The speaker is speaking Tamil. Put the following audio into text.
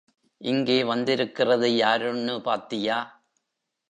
இங்கே வந்திருக்கிறது யாருன்னு பாத்தியா?